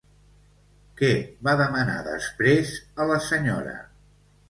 Què va demanar després a la senyora?